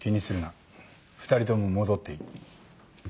２人とも戻っていい。